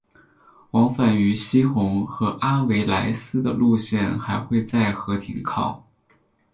往返于希洪和阿维莱斯的线路还会在和停靠。